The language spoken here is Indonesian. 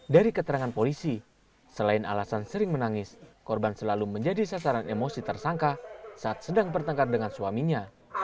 dari keterangan polisi selain alasan sering menangis korban selalu menjadi sasaran emosi tersangka saat sedang bertengkar dengan suaminya